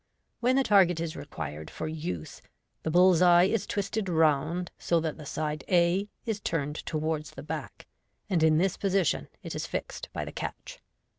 When the target is required for use, the bull's eye is twisted round, so that the side a is turned towards the back, and in this posi tion it is fixed by the catch.